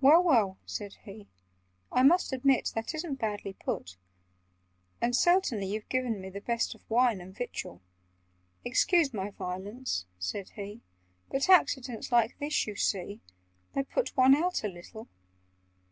"Well, well!" said he. "I must admit That isn't badly put. "And certainly you've given me The best of wine and victual— Excuse my violence," said he, "But accidents like this, you see, They put one out a little.